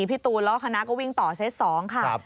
พี่ตูนแล้วก็คณะก็วิ่งต่อเซต๒ค่ะ